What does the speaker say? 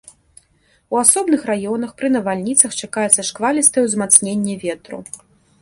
У асобных раёнах пры навальніцах чакаецца шквалістае ўзмацненне ветру.